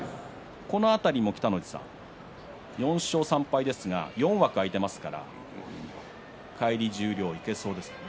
この辺りも４勝３敗ですが４枠空いていますから返り十両、いけそうですね。